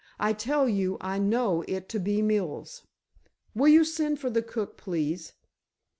I tell you I know it to be Mills'." "Will you send for the cook, please?"